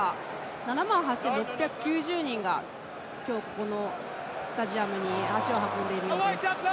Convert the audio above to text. ７万８６９０人が今日、このスタジアムに足を運んでいるようです。